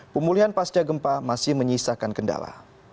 pemulihan pasca gempa masih menyisakan kendala